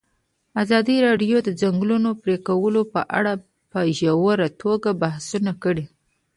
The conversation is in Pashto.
ازادي راډیو د د ځنګلونو پرېکول په اړه په ژوره توګه بحثونه کړي.